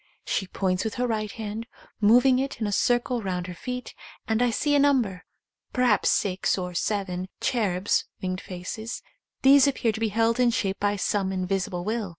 She points with her right hand; moving it in a circle round her feet, and I see a number, perhaps six or seven, cherubs (winged faces) ; these appear to be held in shape by some invisible will.